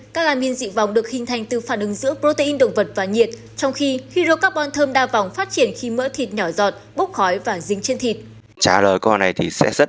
các amin dị vòng được hình thành từ phản ứng giữa protein động vật và nhiệt trong khi hydro carbon thơm đa vòng phát triển khi mỡ thịt nhỏ giọt bốc khói và dính trên thịt